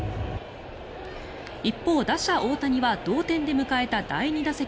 一方、打者・大谷は同点で迎えた第２打席。